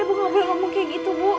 ibu gak boleh ngomong kayak gitu bu